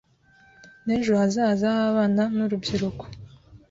n’ejo hazaza h’abana n’urubyiruko